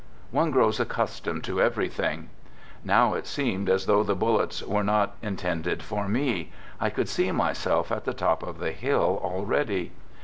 ... One grows accustomed to everything. ... Now it seemed as though the bullets were not in tended for me. I could see myself at the top of the hill already.